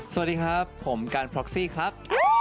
สวัสดีครับผมการพล็อกซี่ครับ